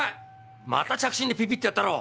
また着信でピピッてやったろ？